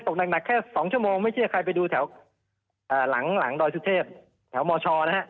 ตกหนักหนักแค่สองชั่วโมงไม่ใช่ใครไปดูแถวอ่าหลังหลังดอยสุเทพฯแถวหมอช่อนะฮะ